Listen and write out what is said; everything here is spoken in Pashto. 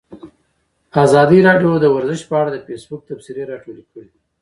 ازادي راډیو د ورزش په اړه د فیسبوک تبصرې راټولې کړي.